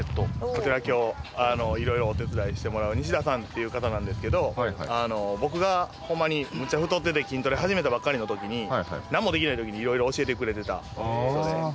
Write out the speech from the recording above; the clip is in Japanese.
こちら今日いろいろお手伝いしてもらう西田さんっていう方なんですけど僕がホンマにむっちゃ太ってて筋トレ始めたばっかりの時になんもできない時にいろいろ教えてくれてた人で。